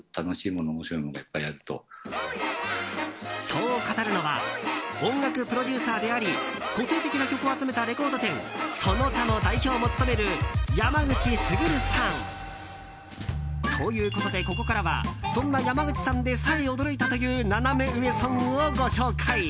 そう語るのは音楽プロデューサーであり個性的な曲を集めたレコード店ＳＯＮＯＴＡの代表も務める山口優さん。ということで、ここからはそんな山口さんでさえ驚いたというナナメ上ソングをご紹介。